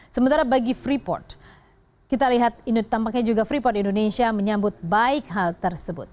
sementara bagi freeport kita lihat ini tampaknya juga freeport indonesia menyambut baik hal tersebut